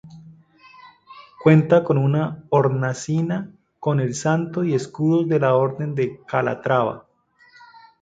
Cuenta con una hornacina con el santo y escudos de la orden de Calatrava.